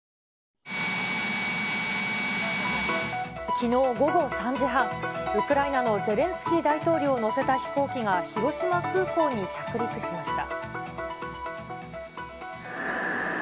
きのう午後３時半、ウクライナのゼレンスキー大統領を乗せた飛行機が、広島空港に着陸しました。